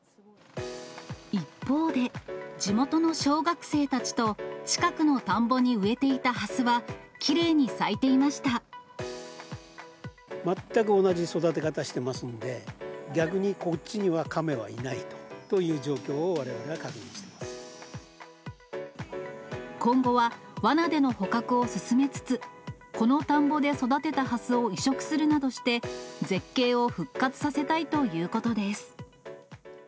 一方で、地元の小学生たちと近くの田んぼに植えていたハスは、きれいに咲全く同じ育て方していますので、逆にこっちにはカメはいないという状況をわれわれは確認していま今後はわなでの捕獲を進めつつ、この田んぼで育てたハスを移植するなどして、絶景を復活させたいということです。